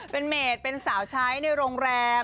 เป็นเมดเป็นสาวใช้ในโรงแรม